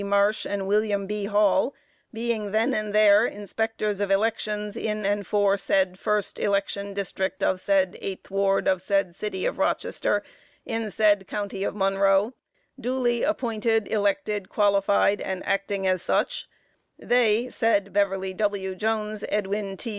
Marsh, and William B. Hall, being then and there Inspectors of Elections in and for said first election District of said eighth ward of said City of Rochester, in said County of Monroe, duly appointed, elected, qualified and acting as such, they said Beverly W. Jones, Edwin T.